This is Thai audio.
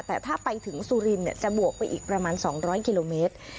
แต่ถ้าไปถึงสุรินทร์จะบวกไปอีกประมาณ๒๐๐กิโลเมตร